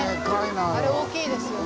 あれ大きいですよね。